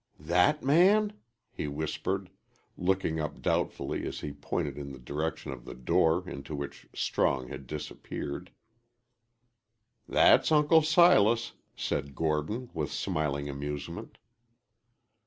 "That man?" he whispered, looking up doubtfully as he pointed in the direction of the door into which Strong had disappeared. "That's Uncle Silas," said Gordon, with smiling amusement.